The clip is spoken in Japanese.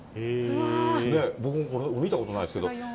僕もこれ、見たことないですけど。